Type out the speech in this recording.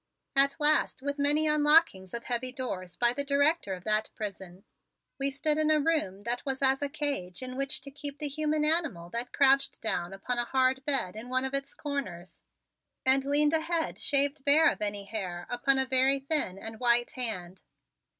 At last, with many unlockings of heavy doors by the director of that prison, we stood in a room that was as a cage in which to keep the human animal that crouched down upon a hard bed in one of its corners and leaned a head shaved bare of any hair upon a very thin and white hand.